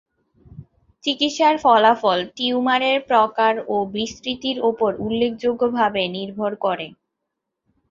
চিকিৎসার ফলাফল টিউমারের প্রকার ও বিস্তৃতির ওপর উল্লেখযোগ্যভাবে নির্ভর করে।